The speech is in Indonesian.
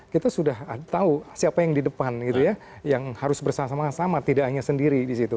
kita sudah tahu siapa yang di depan gitu ya yang harus bersama sama tidak hanya sendiri di situ